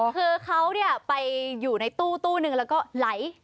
คือเขาไปอยู่ในตู้นึงแล้วก็ไหล